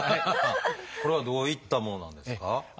これはどういったものなんですか？